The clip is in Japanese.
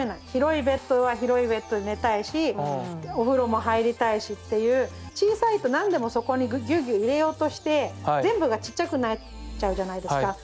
広いベッドは広いベッドで寝たいしお風呂も入りたいしっていう小さいと何でもそこにぎゅうぎゅう入れようとして全部がちっちゃくなっちゃうじゃないですか。